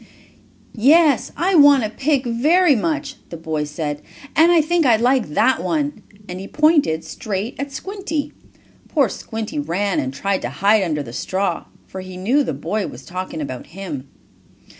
"Yes, I want a pig very much!" the boy said. "And I think I'd like that one," and he pointed straight at Squinty. Poor Squinty ran and tried to hide under the straw, for he knew the boy was talking about him.